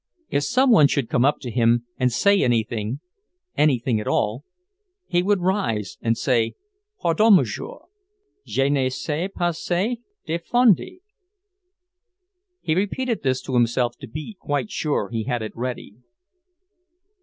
If some one should come up to him and say anything, anything at all, he would rise and say, "Pardon, Monsieur; je ne sais pas c'est defendu." He repeated this to himself to be quite sure he had it ready.